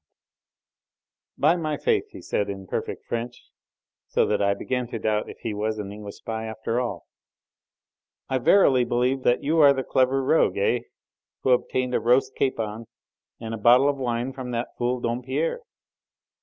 Then he turned to me: "By my faith," he said in perfect French so that I began to doubt if he was an English spy after all "I verily believe that you are the clever rogue, eh? who obtained a roast capon and a bottle of wine from that fool Dompierre.